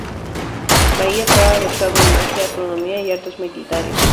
Maia estaba versado en magia, astronomía y artes militares.